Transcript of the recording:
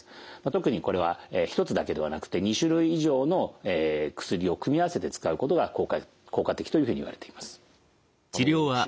特にこれは１つだけではなくて２種類以上の薬を組み合わせて使うことが効果的というふうにいわれています。